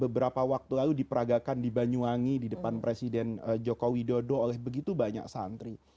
beberapa waktu lalu diperagakan di banyuwangi di depan presiden joko widodo oleh begitu banyak santri